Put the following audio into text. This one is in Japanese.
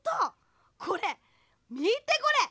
これみてこれ！